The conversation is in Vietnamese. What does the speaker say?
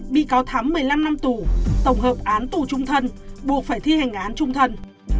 bị cáo thắm một mươi năm năm tù tổng hợp án tù trung thân buộc phải thi hành án trung thân